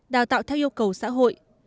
đào tạo theo yêu cầu xã hội